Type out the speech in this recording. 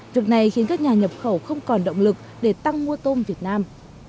việc này khiến các nhà nhập khẩu không còn động lực để tăng mua tôm việt nam